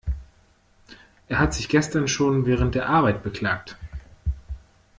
Er hat sich gestern schon während der Arbeit beklagt.